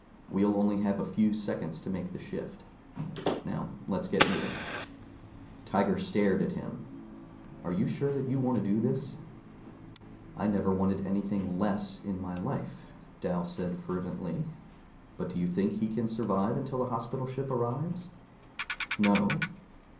We'll only have a few seconds to make the shift. Now let's get moving." Tiger stared at him. "Are you sure that you want to do this?" "I never wanted anything less in my life," Dal said fervently. "But do you think he can survive until a Hospital Ship arrives?" "No."